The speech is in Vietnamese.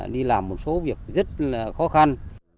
đi làm một số việc rất là khó khăn